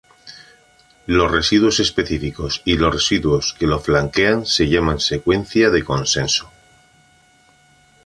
Los residuos específicos y los residuos que lo flanquean se llaman secuencia de consenso.